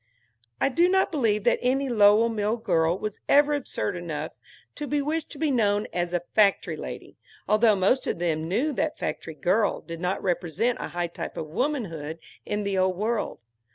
I do not believe that any Lowell mill girl was ever absurd enough to wish to be known as a "factory lady," although most of them knew that "factory girl" did not represent a high type of womanhood in the Old World.